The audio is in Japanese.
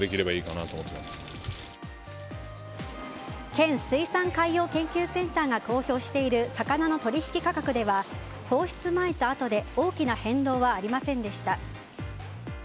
県水産海洋研究センターが公表している魚の取引価格では放出前と後で大きな変動はありませんでした。